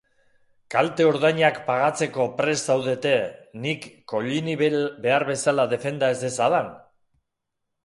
Kalte-ordainak pagatzeko prest zaudete nik Collini behar bezala defenda ez dezadan?